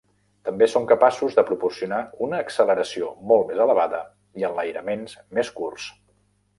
També són capaços de proporcionar una acceleració molt més elevada i enlairaments més curts.